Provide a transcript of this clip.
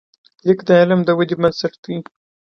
لیک د علم د ودې بنسټ دی.